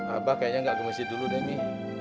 abah kayaknya tidak ke masjid dulu demi